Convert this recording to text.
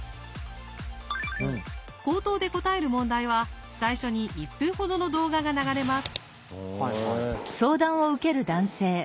口頭で答える問題は最初に１分ほどの動画が流れます。